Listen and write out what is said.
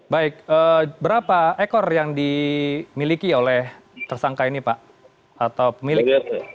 baik berapa ekor yang dimiliki oleh tersangka ini pak atau pemilik